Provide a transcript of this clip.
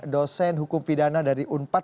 dosen hukum pidana dari unpad